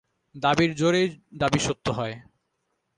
দাবির জোরেই দাবি সত্য হয়।